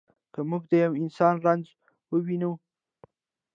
که موږ د یوه انسان رنځ ووینو.